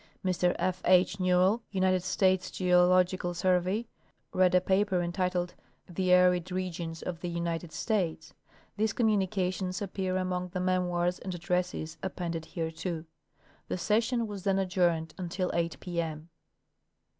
Mr F. H. Newell, United States Geological Survey, read a paper entitled "The arid Regions of the United States." These communications appear among the " memoirs and ad ' dresses " appended hereto. The session was then adjourned until 8 p m.